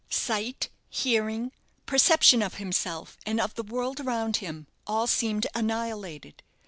Sight, hearing, perception of himself, and of the world around him, all seemed annihilated.